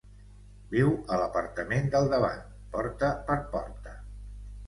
Viu a l'apartament del davant, porta per porta.